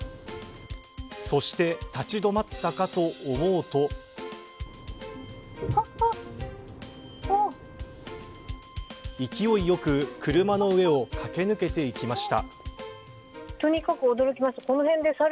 そして立ち止まったかと思うと勢いよく車の上を駆け抜けていきました。